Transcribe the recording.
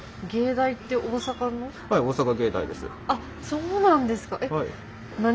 そうなんですか！